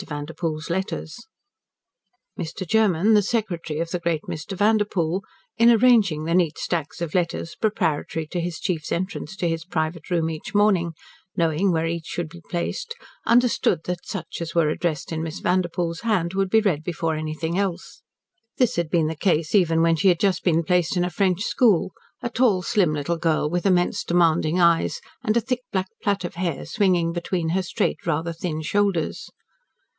VANDERPOEL'S LETTERS Mr. Germen, the secretary of the great Mr. Vanderpoel, in arranging the neat stacks of letters preparatory to his chief's entrance to his private room each morning, knowing where each should be placed, understood that such as were addressed in Miss Vanderpoel's hand would be read before anything else. This had been the case even when she had just been placed in a French school, a tall, slim little girl, with immense demanding eyes, and a thick black plait of hair swinging between her straight, rather thin, shoulders.